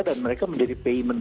dan mereka menjadi payback